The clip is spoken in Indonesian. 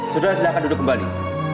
saudara silahkan duduk kembali